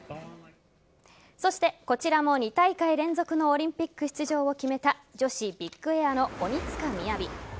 そして、こちらも２大会連続のオリンピック出場を決めた女子ビッグエアの鬼塚雅。